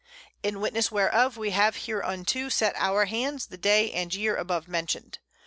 _ In witness whereof, We have hereunto set our Hands the Day and Year above mentioned.